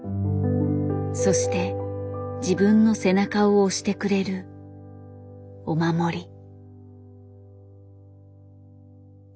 そして自分の背中を押してくれるお守り。